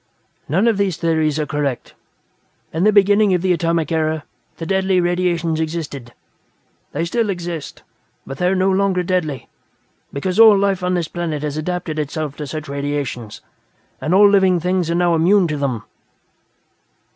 "None of these theories are correct. In the beginning of the Atomic Era, the Deadly Radiations existed. They still exist, but they are no longer deadly, because all life on this planet has adapted itself to such radiations, and all living things are now immune to them."